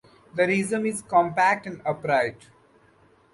The rhizome is compact and upright.